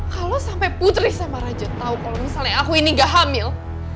kalo sampe putri sama raja tau kalo misalnya aku ini gak hamil